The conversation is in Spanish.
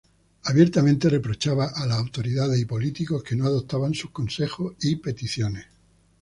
Abiertamente reprochaba a las autoridades y políticos que no adoptaban sus consejos y peticiones.